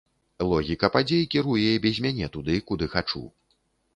Логіка падзей кіруе і без мяне туды, куды хачу.